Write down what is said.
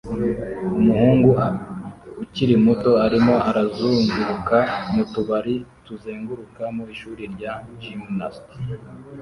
Umuhungu ukiri muto arimo arazunguruka mu tubari tuzenguruka mu ishuri rya gymnast